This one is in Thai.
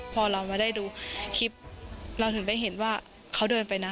พอเรามาได้ดูคลิปเราถึงได้เห็นว่าเขาเดินไปนะ